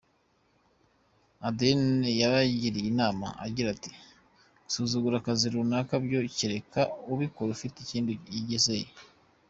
Adeline yabagiriye inama agira ati “ Gusuzugura akazi runaka byo kereka ubikora afite ikindi yizeye.